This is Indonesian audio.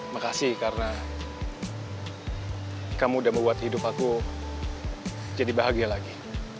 makasih karena kamu udah membuat hidup aku jadi bahagia lagi